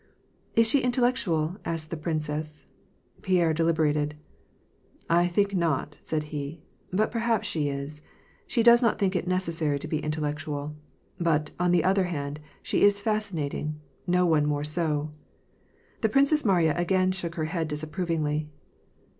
"Is she intellectual?" asked the princess. Pierre delib erated. " I think not," said he, "but perhaps she is. She does not think it necessary to be intellectual. But, on the other hand, she is fascinating, no one more so." The Princess Mariya again shook her head disapprovingly.